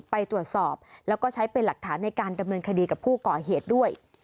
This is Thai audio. ไปตรวจสอบแล้วก็ใช้เป็นหลักฐานในการดำเนินคดีกับผู้ก่อเหตุด้วย